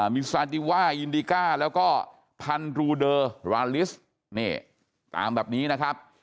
มิสาธิวาอินดิกาแล้วก็พันธุ์รูเดอราลิสเนี่ยตามแบบนี้นะครับ